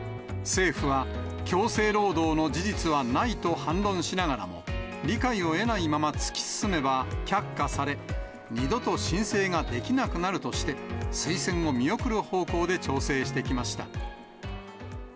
政府は、強制労働の事実はないと反論しながらも、理解を得ないまま突き進めば却下され、二度と申請ができなくなるとして、推薦を見送る方向で調整してきました。